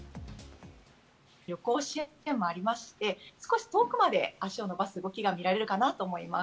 旅行支援もありまして、少し遠くまで足を伸ばす動きが見られるかなと思います。